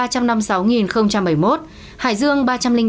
hải dương ba ba bốn trăm ba mươi ba